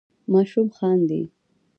ماشوم خاندي.